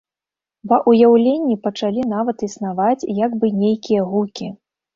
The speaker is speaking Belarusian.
Ва ўяўленні пачалі нават існаваць як бы нейкія гукі.